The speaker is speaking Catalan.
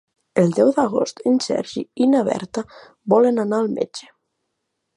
El deu d'agost en Sergi i na Berta volen anar al metge.